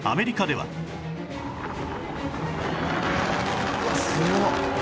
うわあすごっ！